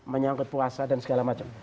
menyangkut puasa dan segala macam